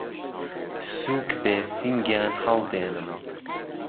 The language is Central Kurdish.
سووک بێ سینگیان ههڵ دێنم